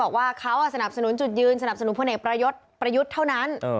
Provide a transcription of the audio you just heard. บอกว่าเขาสนับสนุนจุดยืนสนับสนุนผู้เนกประยุทธ์เท่านั้น